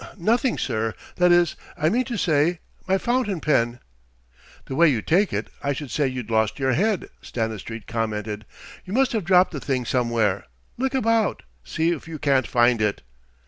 "N nothing, sir. That is I mean to say my fountain pen." "The way you take it, I should say you'd lost your head," Stanistreet commented. "You must have dropped the thing somewhere. Look about, see if you can't find it."